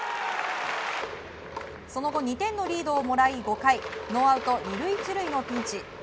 その後、２点のリードをもらい５回ノーアウト２塁１塁のピンチ。